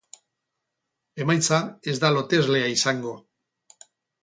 Emaitza ez da loteslea izango.